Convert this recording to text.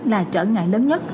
là trở ngại lớn nhất